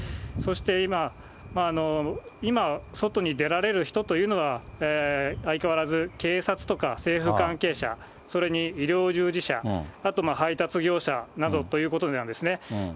そして、今外に出られる人というのは、相変わらず警察とか政府関係者、それに医療従事者、あとは配達業者などということなんですね。